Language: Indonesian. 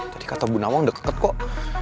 tadi kata bunawang deket kok